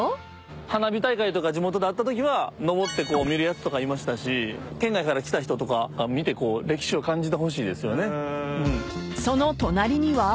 花火大会とか地元であったときは登って見るやつとかいましたし県外から来た人とか見て歴史を感じてほしいですよね。